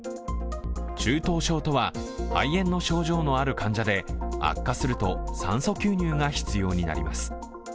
中等症とは、肺炎の症状のある患者で悪化すると酸素吸入が必要になります。